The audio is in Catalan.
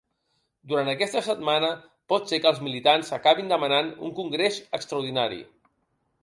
Durant aquesta setmana, pot ser que els militants acabin demanant un congrés extraordinari.